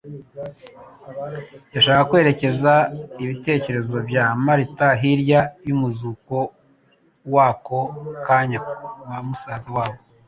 Yashakaga kwerekeza ibitekerezo bya Marita hirya y'umuzuko w'ako kanya wa musaza wabo,